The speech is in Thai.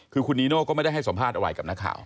คือคุณนีโน่ก็ไม่ได้ให้สัมภาษณ์อะไรกับนักข่าว